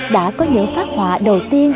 đã có nhớ phát họa đầu tiên